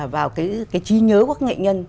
vào cái chi nhớ của các nghệ nhân